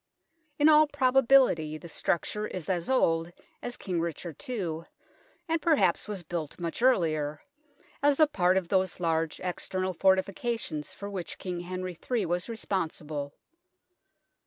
In all proba bility the structure is as old as King Richard II, and perhaps was built much earlier, as a part of those large external fortifications for which King Henry III was responsible.